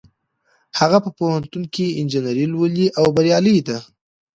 هغه په پوهنتون کې انجینري لولي او بریالۍ ده